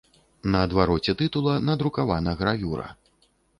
На адвароце тытула надрукавана гравюра.